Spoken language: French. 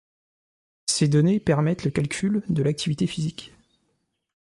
Ces données permettent le calcul de l'activité physique.